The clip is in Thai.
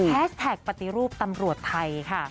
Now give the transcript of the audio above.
แท็กปฏิรูปตำรวจไทยค่ะ